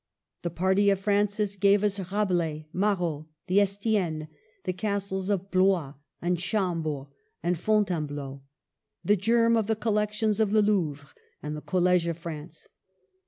The party of Francis gave us Rabelais, Marot, the Estiennes, the Castles of Blois and Chambord and Fontainebleau, the germ of the collections of the Louvre, and the College of France.